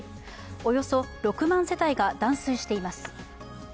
およそ６万世帯が断水しています。